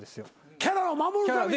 キャラを守るために？